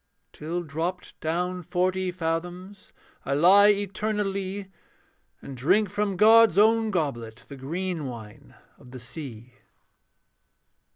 Till dropped down forty fathoms, I lie eternally; And drink from God's own goblet The green wine of the sea.